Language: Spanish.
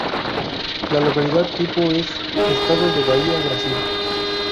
La localidad tipo es: Estado de Bahía, Brasil.